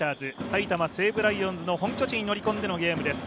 埼玉西武ライオンズの本拠地に乗り込んでのゲームです。